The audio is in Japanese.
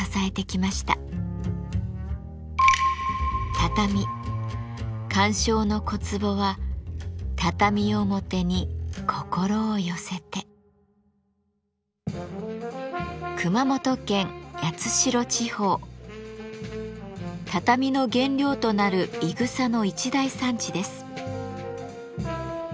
畳鑑賞の小壺は畳の原料となるいぐさの一大産地です。